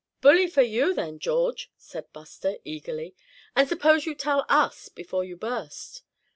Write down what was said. "Bully for you, then, George," said Buster, eagerly, "and suppose you tell us before you burst.